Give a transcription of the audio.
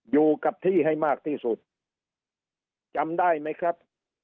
อยู่กับที่ให้มากที่สุดจำได้ไหมครับ